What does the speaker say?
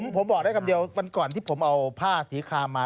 ผมบอกได้คำเดียววันก่อนที่ผมเอาผ้าสีคามา